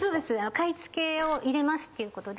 買付を入れますっていうことで。